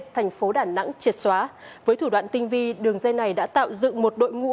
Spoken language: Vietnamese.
thành phố đà nẵng triệt xóa với thủ đoạn tinh vi đường dây này đã tạo dựng một đội ngũ